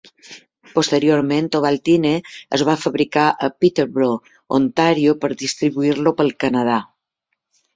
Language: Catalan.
Posteriorment, Ovaltine es va fabricar a Peterborough, Ontario, per distribuir-lo pel Canadà.